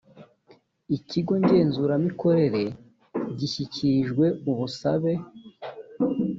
ikigo ngenzuramikorere gishyikirijwe ubusabe